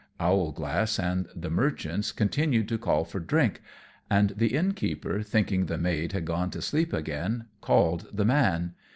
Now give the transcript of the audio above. Owlglass and the merchants continued to call for drink, and the Innkeeper, thinking the maid had gone to sleep again, called the man.